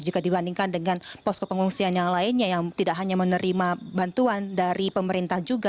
jika dibandingkan dengan posko pengungsian yang lainnya yang tidak hanya menerima bantuan dari pemerintah juga